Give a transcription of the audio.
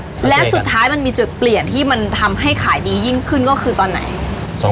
แล้วสุดท้ายมันมีจุดเปลี่ยนที่มันทำให้ขายดียิ่งขึ้นก็คือตอนไหนใช่